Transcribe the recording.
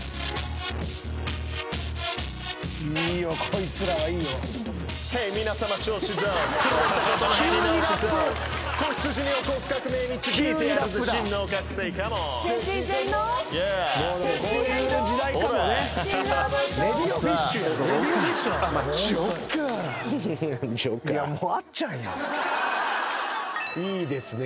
いいですね。